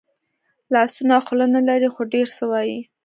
لاسونه خوله نه لري خو ډېر څه وايي